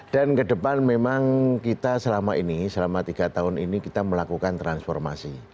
dan ke depan memang kita selama ini selama tiga tahun ini kita melakukan transformasi